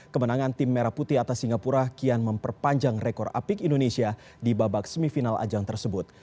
kemenangan tim merah putih atas singapura kian memperpanjang rekor apik indonesia di babak semifinal ajang tersebut